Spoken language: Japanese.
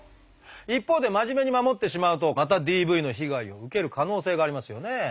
一方で真面目に守ってしまうとまたＤＶの被害を受ける可能性がありますよね。